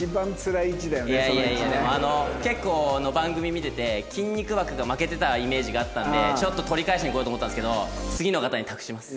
結構番組見てて筋肉枠が負けてたイメージがあったんでちょっと取り返しに来ようと思ったんですけど次の方に託します。